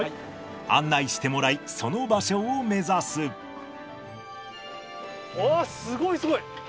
案内してもらい、その場所をおー、すごい、すごい。